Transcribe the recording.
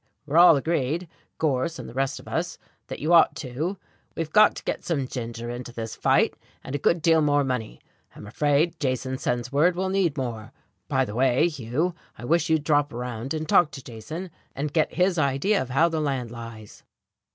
"We're all agreed, Gorse and the rest of us, that you ought to. We've got to get some ginger into this fight, and a good deal more money, I'm afraid. Jason sends word we'll need more. By the way, Hugh, I wish you'd drop around and talk to Jason and get his idea of how the land lies."